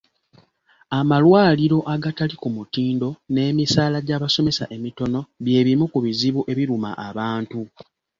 Amalwaliro agatali ku mutindo n’emisaala gy’abasomesa emitono bye bimu ku bizibu ebiruma abantu.